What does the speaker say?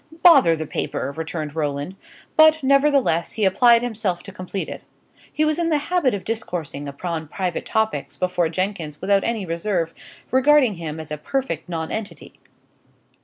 "Bother the paper!" returned Roland; but, nevertheless, he applied himself to complete it. He was in the habit of discoursing upon private topics before Jenkins without any reserve, regarding him as a perfect nonentity.